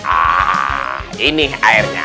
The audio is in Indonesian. ah ini airnya